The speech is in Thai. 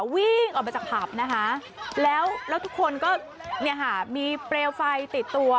วิ่งออกมาจากถับแล้วทุกคนก็มีเปรียวไฟติดตัว